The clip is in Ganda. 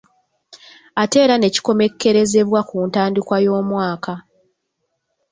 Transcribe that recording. Ate era ne kikomekkerezebwa ku ntandikwa y’omwaka.